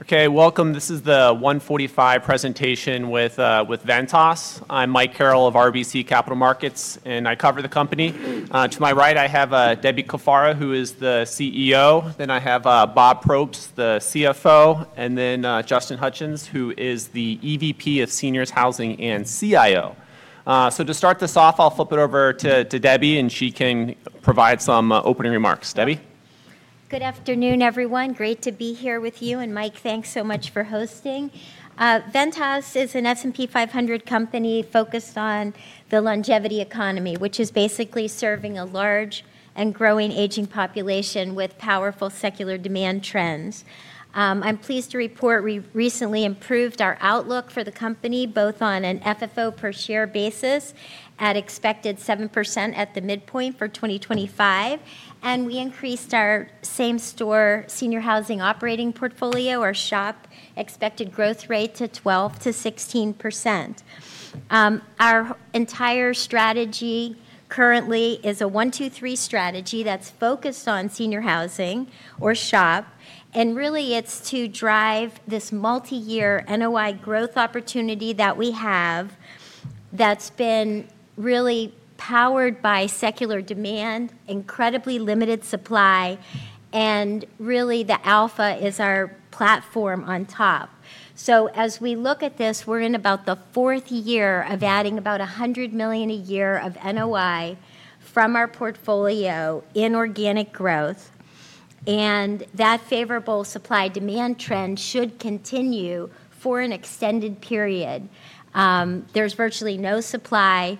Okay, welcome. This is the 1:45 presentation with Ventas. I'm Mike Carroll of RBC Capital Markets, and I cover the company. To my right, I have Debbie Cafaro, who is the CEO. Then I have Bob Probst, the CFO, and then Justin Hutchens, who is the EVP of Seniors Housing and CIO. To start this off, I'll flip it over to Debbie, and she can provide some opening remarks. Debbie? Good afternoon, everyone. Great to be here with you. Mike, thanks so much for hosting. Ventas is an S&P 500 company focused on the longevity economy, which is basically serving a large and growing aging population with powerful secular demand trends. I'm pleased to report we recently improved our outlook for the company, both on an FFO per share basis at expected 7% at the midpoint for 2025, and we increased our Same-Store senior housing operating portfolio, our SHOP, expected growth rate to 12%-16%. Our entire strategy currently is a 1-2-3 strategy that's focused on senior housing, or SHOP, and really it's to drive this multi-year NOI growth opportunity that we have that's been really powered by secular demand, incredibly limited supply, and really the alpha is our platform on top. As we look at this, we're in about the fourth year of adding about $100 million a year of NOI from our portfolio in organic growth, and that favorable supply-demand trend should continue for an extended period. There's virtually no supply,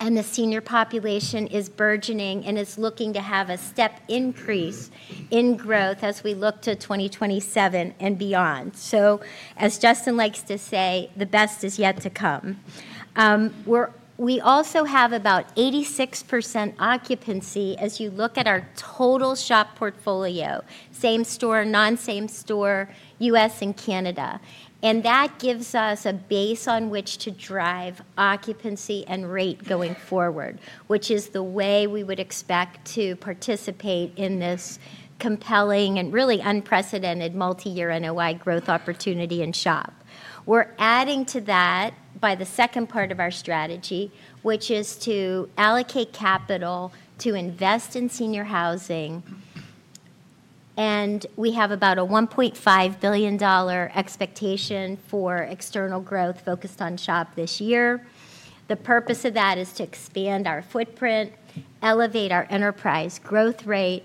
and the senior population is burgeoning and is looking to have a step increase in growth as we look to 2027 and beyond. As Justin likes to say, the best is yet to come. We also have about 86% occupancy, as you look at our total SHOP portfolio, Same-Store, non-Same-Store, U.S. and Canada, and that gives us a base on which to drive occupancy and rate going forward, which is the way we would expect to participate in this compelling and really unprecedented multi-year NOI growth opportunity in SHOP. We're adding to that by the second part of our strategy, which is to allocate capital to invest in senior housing, and we have about a $1.5 billion expectation for external growth focused on SHOP this year. The purpose of that is to expand our footprint, elevate our enterprise growth rate,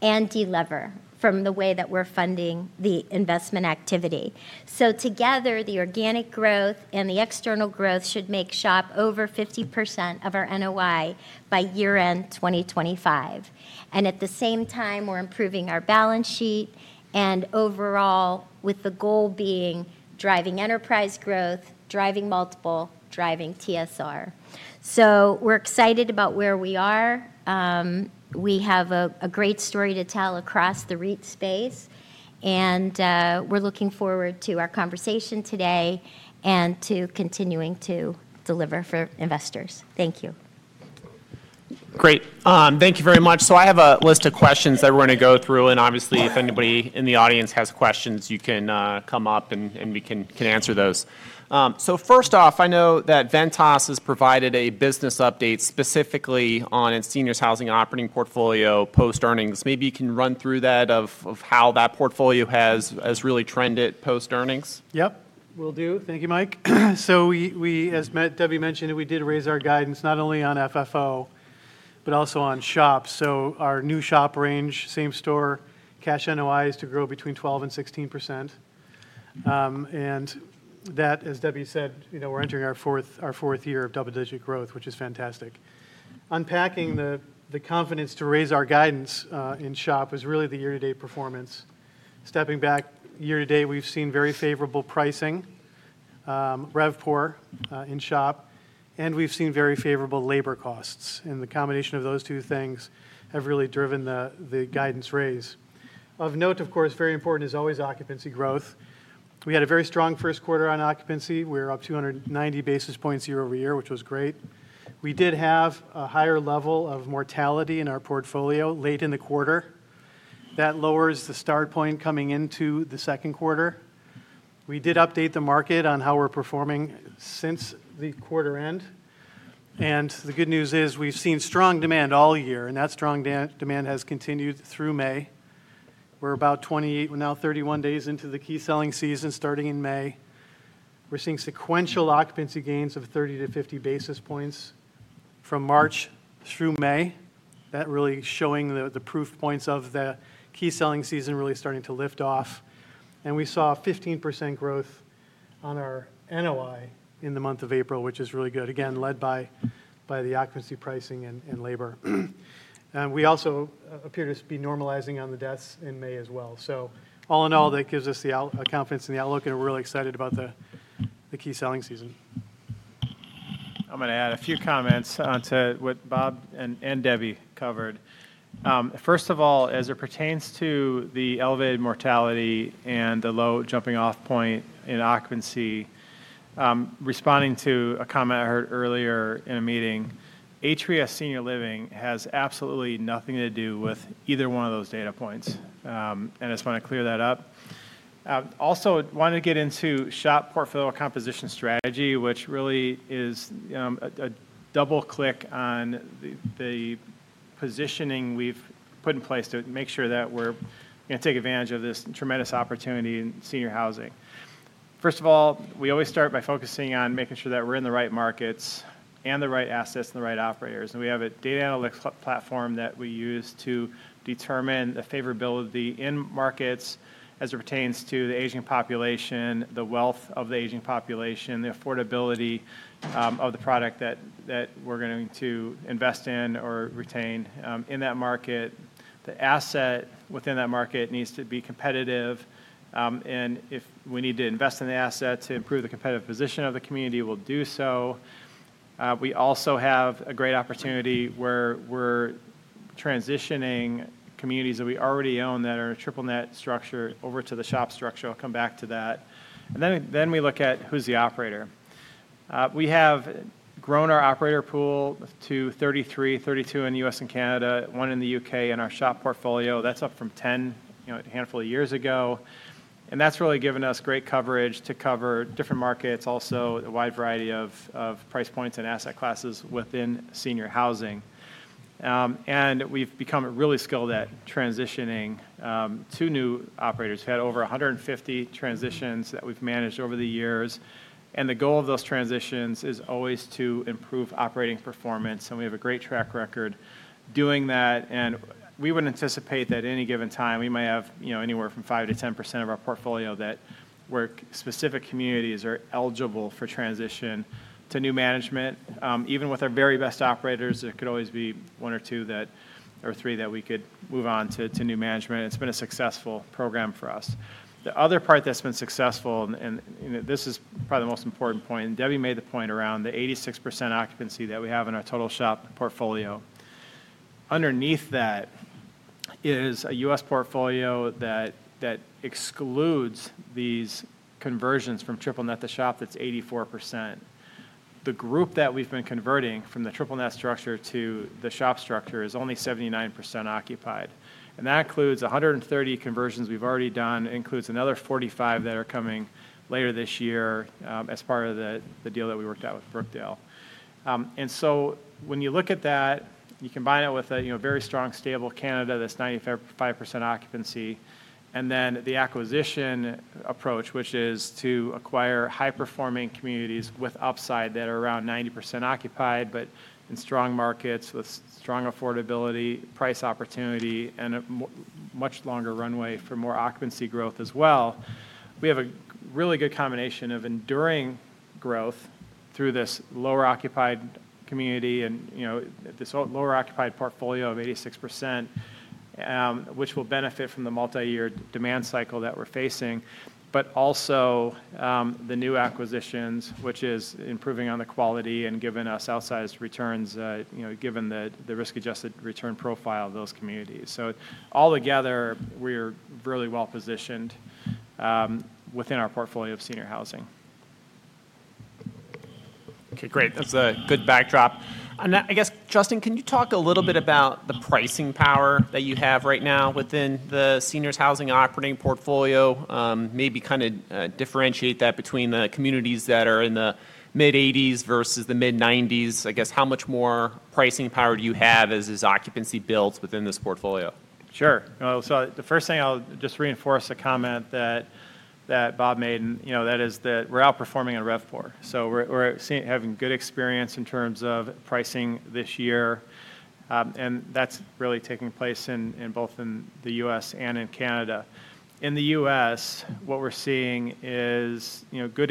and deliver from the way that we're funding the investment activity. Together, the organic growth and the external growth should make SHOP over 50% of our NOI by year-end 2025. At the same time, we're improving our balance sheet and overall, with the goal being driving enterprise growth, driving multiple, driving TSR. We're excited about where we are. We have a great story to tell across the REIT space, and we're looking forward to our conversation today and to continuing to deliver for investors. Thank you. Great. Thank you very much. I have a list of questions that we're going to go through, and obviously, if anybody in the audience has questions, you can come up and we can answer those. First off, I know that Ventas has provided a business update specifically on its seniors housing operating portfolio post-earnings. Maybe you can run through that of how that portfolio has really trended post-earnings. Yep, will do. Thank you, Mike. As Debbie mentioned, we did raise our guidance not only on FFO, but also on SHOP. Our new SHOP range, Same-Store, Cash NOI is to grow between 12% and 16%. That, as Debbie said, means we are entering our fourth year of double-digit growth, which is fantastic. Unpacking the confidence to raise our guidance in SHOP was really the year-to-date performance. Stepping back, year-to-date, we have seen very favorable pricing, RevPAR in SHOP, and we have seen very favorable labor costs. The combination of those two things has really driven the guidance raise. Of note, of course, very important is always occupancy growth. We had a very strong first quarter on occupancy. We were up 290 basis points year-over-year, which was great. We did have a higher level of mortality in our portfolio late in the quarter. That lowers the start point coming into the second quarter. We did update the market on how we're performing since the quarter end. The good news is we've seen strong demand all year, and that strong demand has continued through May. We're about 28, now 31 days into the key selling season starting in May. We're seeing sequential occupancy gains of 30-50 basis points from March through May. That really showing the proof points of the key selling season really starting to lift off. We saw 15% growth on our NOI in the month of April, which is really good, again, led by the occupancy pricing and labor. We also appear to be normalizing on the deaths in May as well. All in all, that gives us the confidence in the outlook, and we're really excited about the key selling season. I'm going to add a few comments onto what Bob and Debbie covered. First of all, as it pertains to the elevated mortality and the low jumping-off point in occupancy, responding to a comment I heard earlier in a meeting, HVS senior living has absolutely nothing to do with either one of those data points. I just want to clear that up. Also, I wanted to get into SHOP portfolio composition strategy, which really is a double-click on the positioning we've put in place to make sure that we're going to take advantage of this tremendous opportunity in senior housing. First of all, we always start by focusing on making sure that we're in the right markets and the right assets and the right operators. We have a data analytics platform that we use to determine the favorability in markets as it pertains to the aging population, the wealth of the aging population, the affordability of the product that we're going to invest in or retain in that market. The asset within that market needs to be competitive. If we need to invest in the asset to improve the competitive position of the community, we'll do so. We also have a great opportunity where we're transitioning communities that we already own that are a triple-net structure over to the SHOP structure. I'll come back to that. We look at who's the operator. We have grown our operator pool to 33, 32 in the U.S. and Canada, one in the U.K. in our SHOP portfolio. That's up from 10 a handful of years ago. That has really given us great coverage to cover different markets, also a wide variety of price points and asset classes within senior housing. We have become really skilled at transitioning to new operators. We had over 150 transitions that we have managed over the years. The goal of those transitions is always to improve operating performance. We have a great track record doing that. We would anticipate that at any given time, we might have anywhere from 5%-10% of our portfolio that specific communities are eligible for transition to new management. Even with our very best operators, it could always be one or two or three that we could move on to new management. It has been a successful program for us. The other part that's been successful, and this is probably the most important point, and Debbie made the point around the 86% occupancy that we have in our total SHOP portfolio. Underneath that is a U.S. portfolio that excludes these conversions from triple-net to SHOP that's 84%. The group that we've been converting from the triple-net structure to the SHOP structure is only 79% occupied. That includes 130 conversions we've already done. It includes another 45 that are coming later this year as part of the deal that we worked out with Brookdale. When you look at that, you combine it with a very strong, stable Canada that's 95% occupancy. The acquisition approach is to acquire high-performing communities with upside that are around 90% occupied, but in strong markets with strong affordability, price opportunity, and a much longer runway for more occupancy growth as well. We have a really good combination of enduring growth through this lower-occupied community and this lower-occupied portfolio of 86%, which will benefit from the multi-year demand cycle that we are facing, but also the new acquisitions, which is improving on the quality and giving us outsized returns given the risk-adjusted return profile of those communities. All together, we are really well-positioned within our portfolio of senior housing. Okay, great. That is a good backdrop. I guess, Justin, can you talk a little bit about the pricing power that you have right now within the seniors housing operating portfolio? Maybe kind of differentiate that between the communities that are in the mid-80s versus the mid-90s. I guess, how much more pricing power do you have as occupancy builds within this portfolio? Sure. The first thing I'll just reinforce is a comment that Bob made, and that is that we're outperforming on RevPAR. We're having good experience in terms of pricing this year. That's really taking place in both the U.S. and in Canada. In the U.S., what we're seeing is good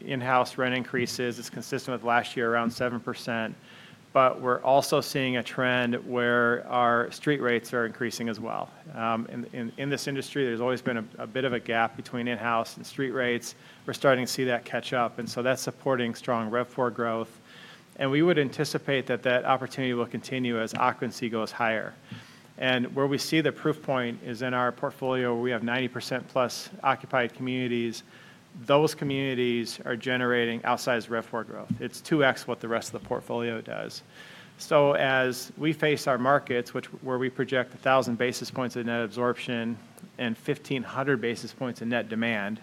in-house rent increases. It's consistent with last year, around 7%. We're also seeing a trend where our street rates are increasing as well. In this industry, there's always been a bit of a gap between in-house and street rates. We're starting to see that catch up. That is supporting strong RevPAR growth. We would anticipate that opportunity will continue as occupancy goes higher. Where we see the proof point is in our portfolio, we have 90% plus occupied communities. Those communities are generating outsized RevPAR growth. It's 2x what the rest of the portfolio does. As we face our markets, where we project 1,000 basis points of net absorption and 1,500 basis points of net demand,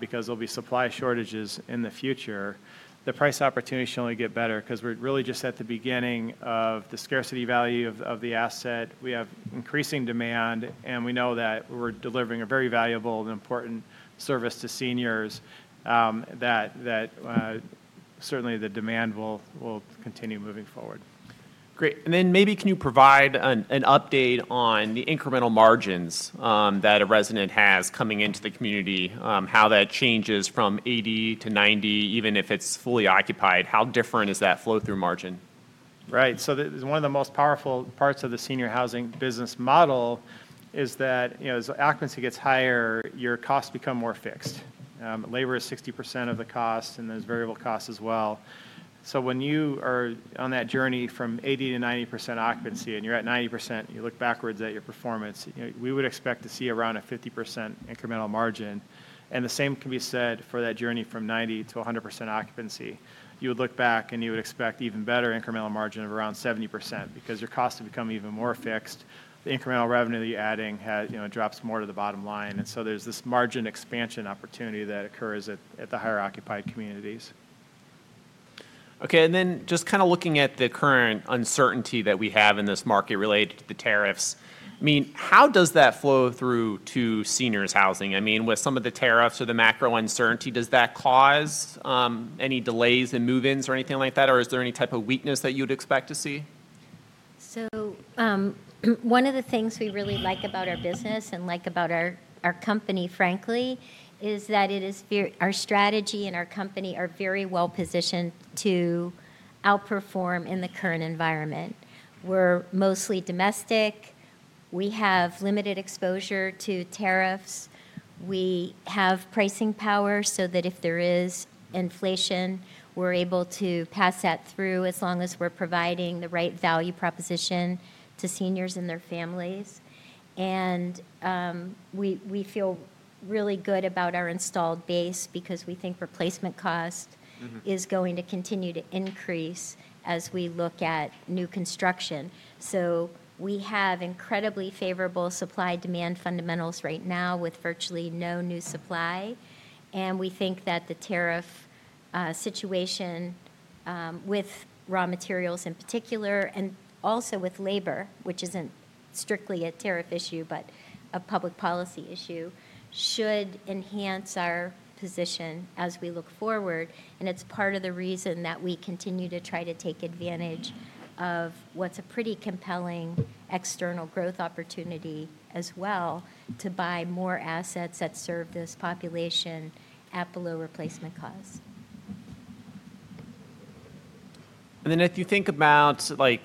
because there will be supply shortages in the future, the price opportunity should only get better because we're really just at the beginning of the scarcity value of the asset. We have increasing demand, and we know that we're delivering a very valuable and important service to seniors. That certainly the demand will continue moving forward. Great. Maybe can you provide an update on the incremental margins that a resident has coming into the community, how that changes from 80% to 90%, even if it's fully occupied? How different is that flow-through margin? Right. One of the most powerful parts of the senior housing business model is that as occupancy gets higher, your costs become more fixed. Labor is 60% of the cost, and there are variable costs as well. When you are on that journey from 80-90% occupancy and you are at 90%, you look backwards at your performance, we would expect to see around a 50% incremental margin. The same can be said for that journey from 90-100% occupancy. You would look back and you would expect even better incremental margin of around 70% because your costs have become even more fixed. The incremental revenue that you are adding drops more to the bottom line. There is this margin expansion opportunity that occurs at the higher-occupied communities. Okay. And then just kind of looking at the current uncertainty that we have in this market related to the tariffs, I mean, how does that flow through to seniors housing? I mean, with some of the tariffs or the macro uncertainty, does that cause any delays in move-ins or anything like that? Or is there any type of weakness that you'd expect to see? One of the things we really like about our business and like about our company, frankly, is that our strategy and our company are very well-positioned to outperform in the current environment. We're mostly domestic. We have limited exposure to tariffs. We have pricing power so that if there is inflation, we're able to pass that through as long as we're providing the right value proposition to seniors and their families. We feel really good about our installed base because we think replacement cost is going to continue to increase as we look at new construction. We have incredibly favorable supply-demand fundamentals right now with virtually no new supply. We think that the tariff situation with raw materials in particular, and also with labor, which isn't strictly a tariff issue, but a public policy issue, should enhance our position as we look forward. It is part of the reason that we continue to try to take advantage of what is a pretty compelling external growth opportunity as well to buy more assets that serve this population at below replacement cost. If you think about, I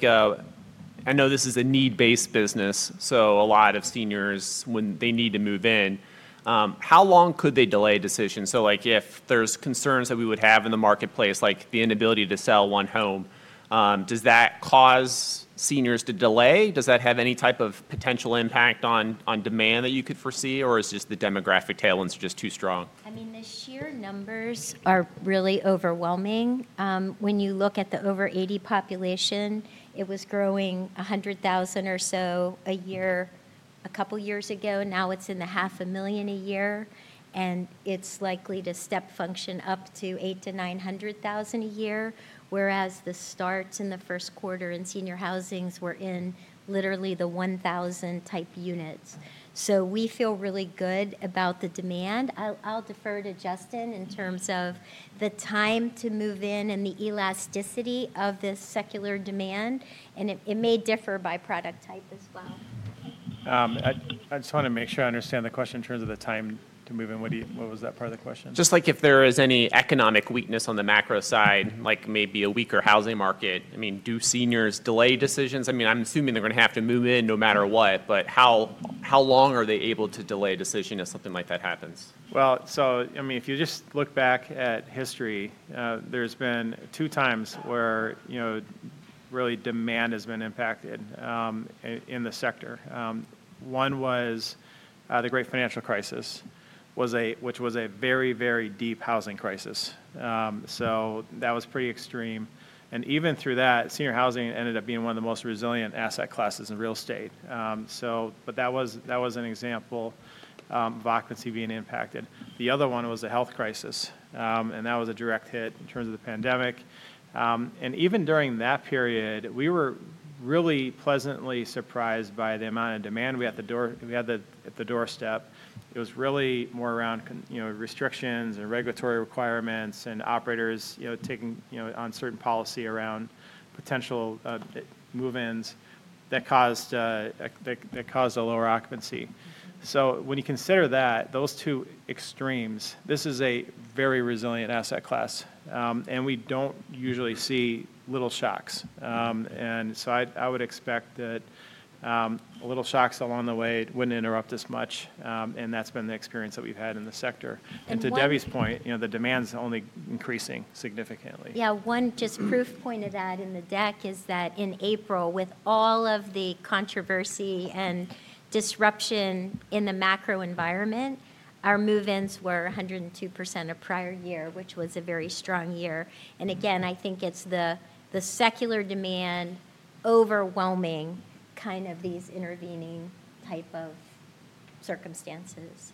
know this is a need-based business, so a lot of seniors, when they need to move in, how long could they delay a decision? If there are concerns that we would have in the marketplace, like the inability to sell one home, does that cause seniors to delay? Does that have any type of potential impact on demand that you could foresee? Or is just the demographic tail ends just too strong? I mean, the sheer numbers are really overwhelming. When you look at the over 80 population, it was growing $100,000 or so a year a couple of years ago. Now it's in the $500,000 a year. And it's likely to step function up to $800,000-$900,000 a year, whereas the start in the first quarter in senior housing were in literally the 1,000-type units. So we feel really good about the demand. I'll defer to Justin in terms of the time to move in and the elasticity of this secular demand. And it may differ by product type as well. I just want to make sure I understand the question in terms of the time to move in. What was that part of the question? Just like if there is any economic weakness on the macro side, like maybe a weaker housing market, I mean, do seniors delay decisions? I mean, I'm assuming they're going to have to move in no matter what, but how long are they able to delay a decision if something like that happens? I mean, if you just look back at history, there's been two times where really demand has been impacted in the sector. One was the Great Financial Crisis, which was a very, very deep housing crisis. That was pretty extreme. Even through that, senior housing ended up being one of the most resilient asset classes in real estate. That was an example of occupancy being impacted. The other one was the health crisis. That was a direct hit in terms of the pandemic. Even during that period, we were really pleasantly surprised by the amount of demand we had at the doorstep. It was really more around restrictions and regulatory requirements and operators taking on certain policy around potential move-ins that caused a lower occupancy. When you consider that, those two extremes, this is a very resilient asset class. We do not usually see little shocks. I would expect that little shocks along the way would not interrupt us much. That has been the experience that we have had in the sector. To Debbie's point, the demand is only increasing significantly. Yeah. One just proof point of that in the deck is that in April, with all of the controversy and disruption in the macro environment, our move-ins were 102% of prior year, which was a very strong year. Again, I think it's the secular demand overwhelming kind of these intervening type of circumstances.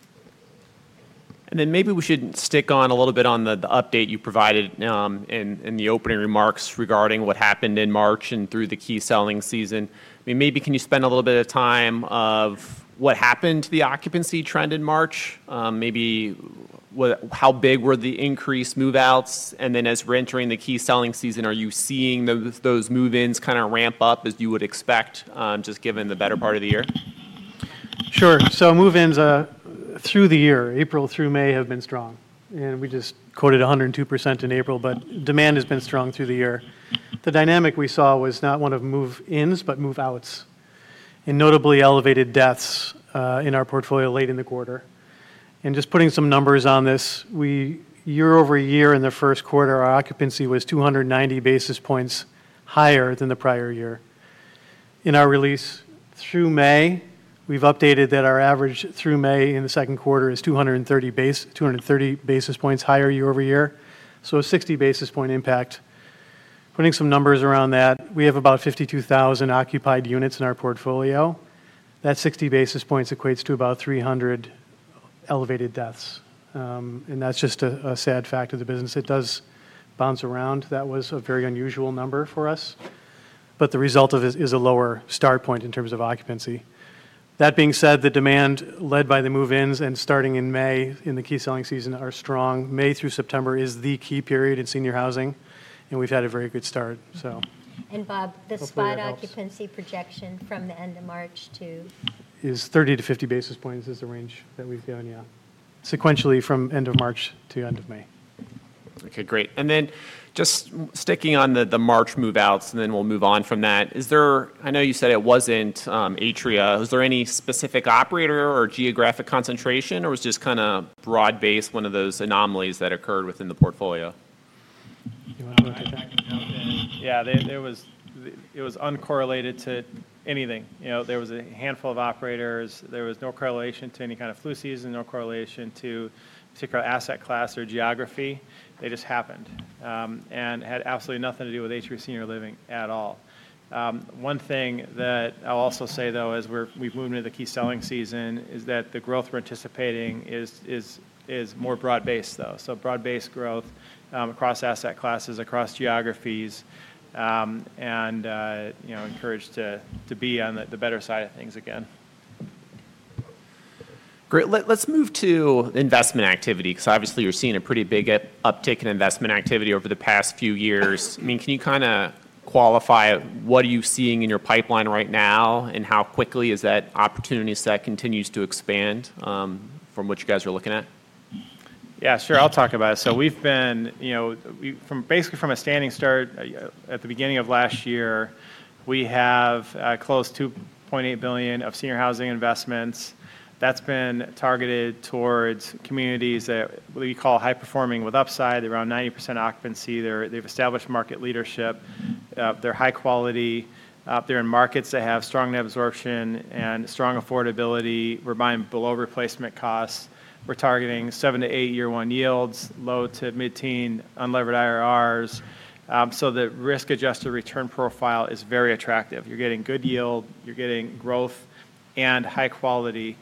Maybe we should stick on a little bit on the update you provided in the opening remarks regarding what happened in March and through the key selling season. I mean, maybe can you spend a little bit of time on what happened to the occupancy trend in March? Maybe how big were the increased move-outs? As we're entering the key selling season, are you seeing those move-ins kind of ramp up as you would expect just given the better part of the year? Sure. Move-ins through the year, April through May, have been strong. We just quoted 102% in April, but demand has been strong through the year. The dynamic we saw was not one of move-ins, but move-outs. Notably elevated deaths in our portfolio late in the quarter. Just putting some numbers on this, year-over-year, in the first quarter, our occupancy was 290 basis points higher than the prior year. In our release through May, we have updated that our average through May in the second quarter is 230 basis points higher year-over-year. A 60 basis point impact. Putting some numbers around that, we have about 52,000 occupied units in our portfolio. That 60 basis points equates to about 300 elevated deaths. That is just a sad fact of the business. It does bounce around. That was a very unusual number for us. The result of it is a lower start point in terms of occupancy. That being said, the demand led by the move-ins and starting in May in the key selling season are strong. May through September is the key period in senior housing. We have had a very good start, so. Bob, the spot occupancy projection from the end of March to? Is 30-50 basis points is the range that we've given, yeah. Sequentially from end of March to end of May. Okay, great. Just sticking on the March move-outs, and then we'll move on from that. I know you said it wasn't Atria. Was there any specific operator or geographic concentration? Or was it just kind of broad-based, one of those anomalies that occurred within the portfolio? Yeah, it was uncorrelated to anything. There was a handful of operators. There was no correlation to any kind of flu season, no correlation to particular asset class or geography. They just happened and had absolutely nothing to do with Atria Senior Living at all. One thing that I'll also say, though, as we've moved into the key selling season, is that the growth we're anticipating is more broad-based, though. Broad-based growth across asset classes, across geographies, and encouraged to be on the better side of things again. Great. Let's move to investment activity because obviously you're seeing a pretty big uptick in investment activity over the past few years. I mean, can you kind of qualify what are you seeing in your pipeline right now and how quickly is that opportunity set continues to expand from what you guys are looking at? Yeah, sure. I'll talk about it. We've been, basically from a standing start, at the beginning of last year, we have close to $2.8 billion of senior housing investments. That's been targeted towards communities that we call high-performing with upside, around 90% occupancy. They've established market leadership. They're high quality. They're in markets that have strong net absorption and strong affordability. We're buying below replacement costs. We're targeting 7%-8% year one yields, low to mid-teen unlevered IRRs. The risk-adjusted return profile is very attractive. You're getting good yield. You're getting growth and high quality,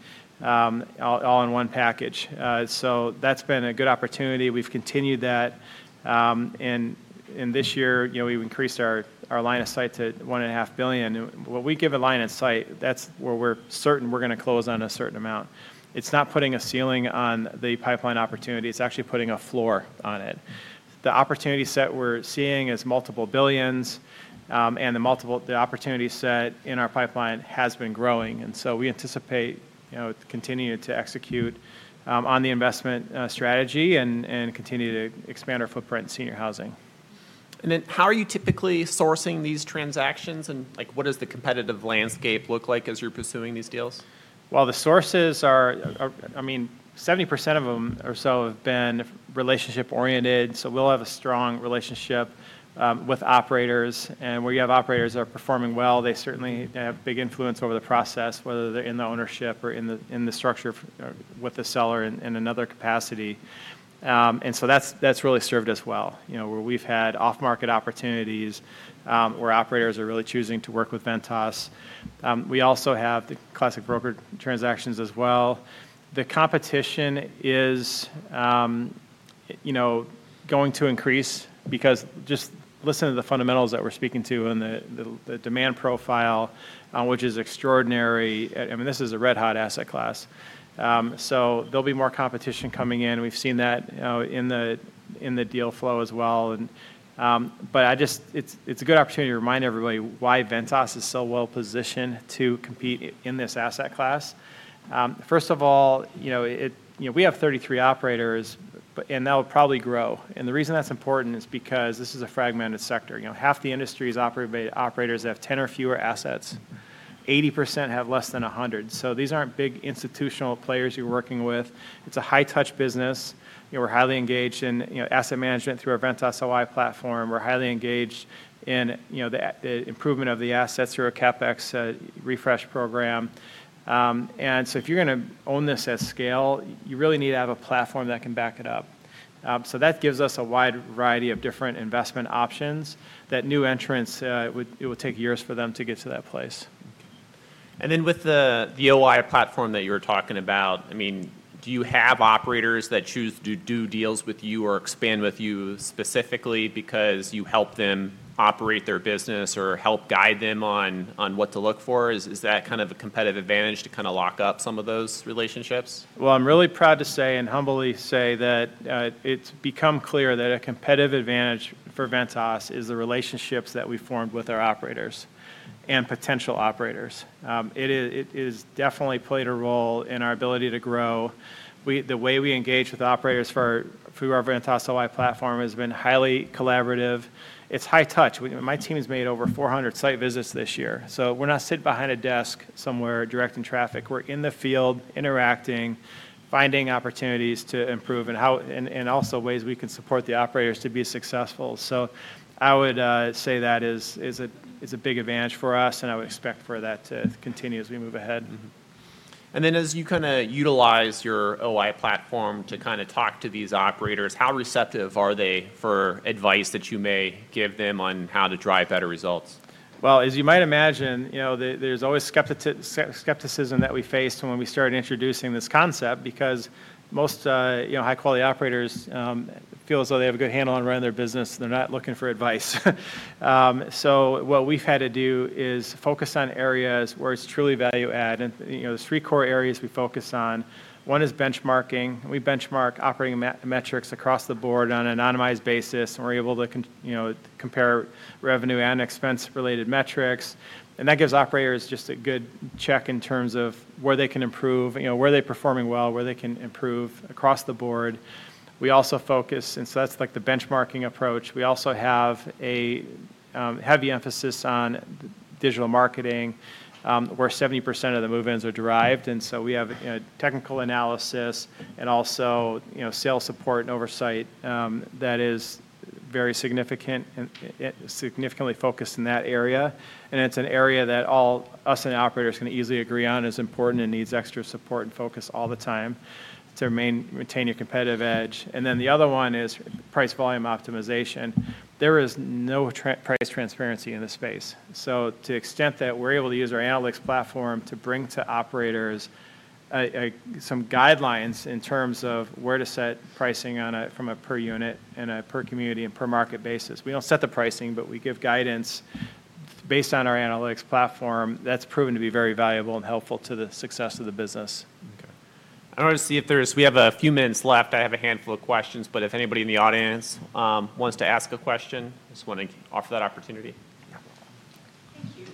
all in one package. That's been a good opportunity. We've continued that. This year, we've increased our line of sight to $1.5 billion. When we give a line of sight, that's where we're certain we're going to close on a certain amount. It's not putting a ceiling on the pipeline opportunity. It's actually putting a floor on it. The opportunity set we're seeing is multiple billions. The opportunity set in our pipeline has been growing. We anticipate continuing to execute on the investment strategy and continue to expand our footprint in senior housing. How are you typically sourcing these transactions? What does the competitive landscape look like as you're pursuing these deals? The sources are, I mean, 70% of them or so have been relationship-oriented. We have a strong relationship with operators. Where you have operators that are performing well, they certainly have big influence over the process, whether they are in the ownership or in the structure with the seller in another capacity. That has really served us well. We have had off-market opportunities where operators are really choosing to work with Ventas. We also have the classic broker transactions as well. The competition is going to increase because just listen to the fundamentals that we are speaking to and the demand profile, which is extraordinary. I mean, this is a red-hot asset class. There will be more competition coming in. We have seen that in the deal flow as well. It is a good opportunity to remind everybody why Ventas is so well-positioned to compete in this asset class. First of all, we have 33 operators, and that will probably grow. The reason that's important is because this is a fragmented sector. Half the industry's operators have 10 or fewer assets. 80% have less than 100. These aren't big institutional players you're working with. It's a high-touch business. We're highly engaged in asset management through our Ventas OI platform. We're highly engaged in the improvement of the assets through our CapEx refresh program. If you're going to own this at scale, you really need to have a platform that can back it up. That gives us a wide variety of different investment options that new entrants, it will take years for them to get to that place. With the OI platform that you were talking about, I mean, do you have operators that choose to do deals with you or expand with you specifically because you help them operate their business or help guide them on what to look for? Is that kind of a competitive advantage to kind of lock up some of those relationships? I'm really proud to say and humbly say that it's become clear that a competitive advantage for Ventas is the relationships that we formed with our operators and potential operators. It has definitely played a role in our ability to grow. The way we engage with operators through our Ventas OI platform has been highly collaborative. It's high touch. My team's made over 400 site visits this year. We're not sitting behind a desk somewhere directing traffic. We're in the field, interacting, finding opportunities to improve and also ways we can support the operators to be successful. I would say that is a big advantage for us. I would expect for that to continue as we move ahead. As you kind of utilize your OI platform to kind of talk to these operators, how receptive are they for advice that you may give them on how to drive better results? As you might imagine, there's always skepticism that we faced when we started introducing this concept because most high-quality operators feel as though they have a good handle on running their business. They're not looking for advice. What we've had to do is focus on areas where it's truly value-add. There are three core areas we focus on. One is benchmarking. We benchmark operating metrics across the board on an anonymized basis. We're able to compare revenue and expense-related metrics. That gives operators just a good check in terms of where they can improve, where they're performing well, where they can improve across the board. We also focus, and that's like the benchmarking approach. We also have a heavy emphasis on digital marketing where 70% of the move-ins are derived. We have technical analysis and also sales support and oversight that is very significant, significantly focused in that area. It is an area that all U.S. operators can easily agree on is important and needs extra support and focus all the time to maintain your competitive edge. The other one is price volume optimization. There is no price transparency in this space. To the extent that we're able to use our analytics platform to bring to operators some guidelines in terms of where to set pricing from a per unit and a per community and per market basis. We do not set the pricing, but we give guidance based on our analytics platform that has proven to be very valuable and helpful to the success of the business. Okay. I want to see if there's—we have a few minutes left. I have a handful of questions. If anybody in the audience wants to ask a question, I just want to offer that opportunity. Thank you.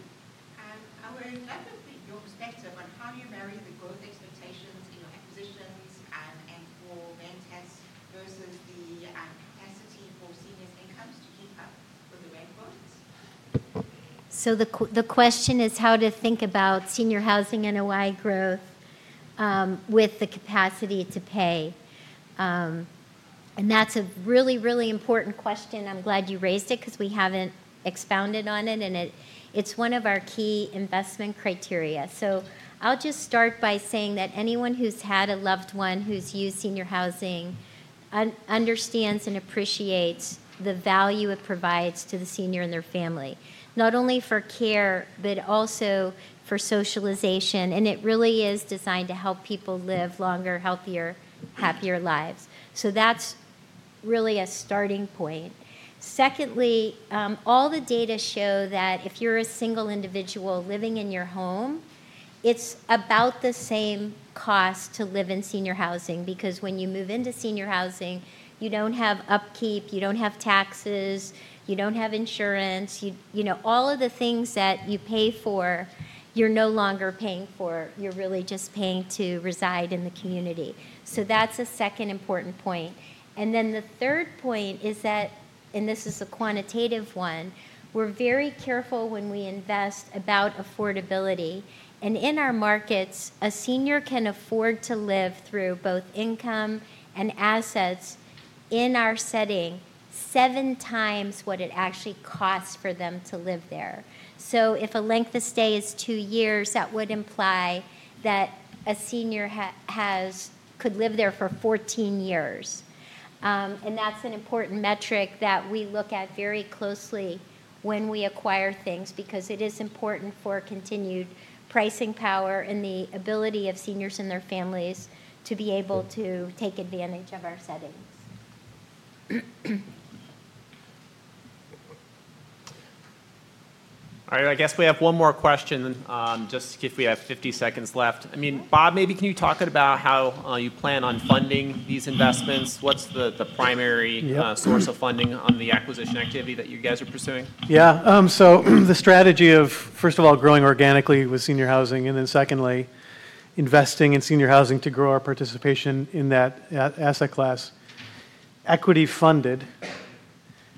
I would love to hear your perspective on how you marry the growth expectations in your acquisitions and for Ventas versus the capacity for seniors' incomes to keep up with the rate growth. The question is how to think about senior housing and OI growth with the capacity to pay. That is a really, really important question. I'm glad you raised it because we haven't expounded on it. It is one of our key investment criteria. I'll just start by saying that anyone who's had a loved one who's used senior housing understands and appreciates the value it provides to the senior and their family, not only for care, but also for socialization. It really is designed to help people live longer, healthier, happier lives. That is really a starting point. Secondly, all the data show that if you're a single individual living in your home, it's about the same cost to live in senior housing because when you move into senior housing, you don't have upkeep, you don't have taxes, you don't have insurance. All of the things that you pay for, you're no longer paying for. You're really just paying to reside in the community. That is a second important point. The third point is that, and this is a quantitative one, we're very careful when we invest about affordability. In our markets, a senior can afford to live through both income and assets in our setting seven times what it actually costs for them to live there. If a length of stay is two years, that would imply that a senior could live there for 14 years. That is an important metric that we look at very closely when we acquire things because it is important for continued pricing power and the ability of seniors and their families to be able to take advantage of our settings. All right. I guess we have one more question just in case we have 50 seconds left. I mean, Bob, maybe can you talk about how you plan on funding these investments? What's the primary source of funding on the acquisition activity that you guys are pursuing? Yeah. The strategy of, first of all, growing organically with senior housing, and then secondly, investing in senior housing to grow our participation in that asset class. Equity-funded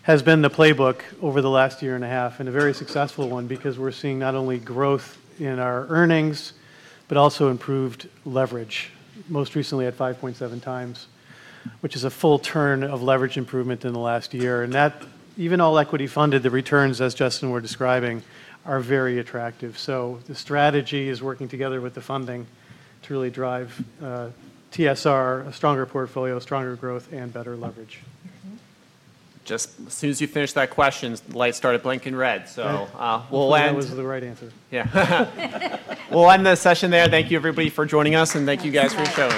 has been the playbook over the last year and a half and a very successful one because we're seeing not only growth in our earnings, but also improved leverage, most recently at 5.7 times, which is a full turn of leverage improvement in the last year. Even all equity-funded, the returns, as Justin was describing, are very attractive. The strategy is working together with the funding to really drive TSR, a stronger portfolio, stronger growth, and better leverage. Just as soon as you finished that question, the light started blinking red. So we'll end. That was the right answer. Yeah. We'll end the session there. Thank you, everybody, for joining us. Thank you guys for showing.